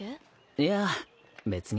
いや別に。